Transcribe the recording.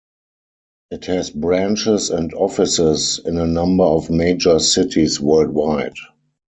It has branches and offices in a number of major cities worldwide.